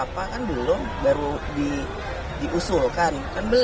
gak apa apa kan belum baru diusulkan kan belum